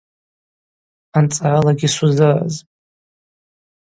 Анцӏралагьи сузыразпӏ.